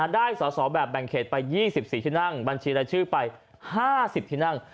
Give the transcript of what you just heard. ได้สอสอแบบแบ่งเขตไป๒๔ที่นั่งบัญชีรายชื่อไป๕๐ที่นั่ง